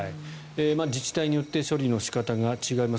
自治体によって処理の仕方が違います。